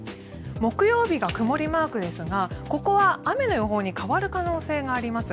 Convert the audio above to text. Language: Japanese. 木曜日が曇りマークですがここは雨の予報に変わる可能性があります。